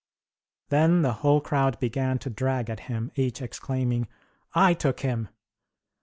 Then the whole crowd began to drag at him, each exclaiming: "I took him!"